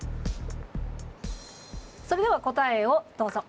それでは答えをどうぞ。